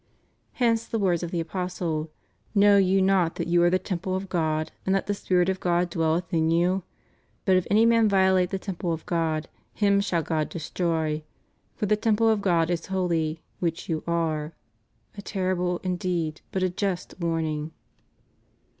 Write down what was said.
Hence the words of the Apostle: Know you not that you are the temple of God, and that the Spirit of God dwelleth in you f But if any man violate the temple of God, him shall God destroy. For the temple of God is holy, which you are *— a terrible, indeed, but a just warning.